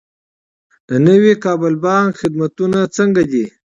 د نوي کابل بانک خدمتونه څنګه دي؟